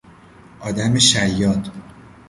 آدم شیاد